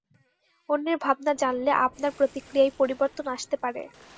অন্যের ভাবনা জানলে আপনার প্রতিক্রিয়ায় পরিবর্তন আসতে পারে।